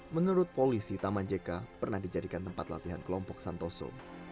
menurut polisi taman jk pernah dijadikan tempat latihan kelompok santoso